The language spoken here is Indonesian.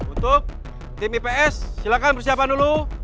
untuk tim ips silakan persiapan dulu